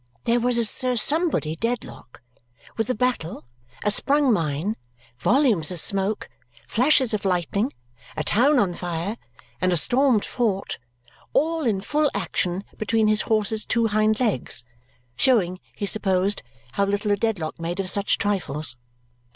There was a Sir Somebody Dedlock, with a battle, a sprung mine, volumes of smoke, flashes of lightning, a town on fire, and a stormed fort, all in full action between his horse's two hind legs, showing, he supposed, how little a Dedlock made of such trifles.